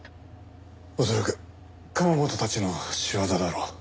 恐らく釜本たちの仕業だろう。